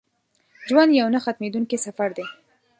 ژوند یو نه ختمېدونکی سفر دی.